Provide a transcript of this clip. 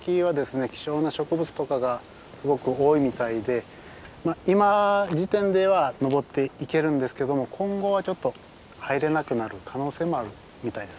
希少な植物とかがすごく多いみたいで今時点では登っていけるんですけども今後はちょっと入れなくなる可能性もあるみたいですね。